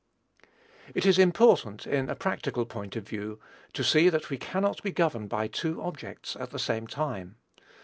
It is important, in a practical point of view, to see that we cannot be governed by two objects at the same time.